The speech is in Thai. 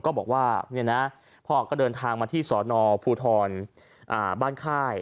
ก็บอกว่าเนี่ยนะพ่อก็เดินทางมาที่สอนอพูทรบ้านค่าย